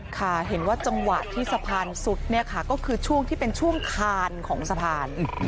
ค่ะเห็นว่าจังหวะที่สะพานสุดเนี่ยค่ะก็คือช่วงที่เป็นช่วงคานของสะพาน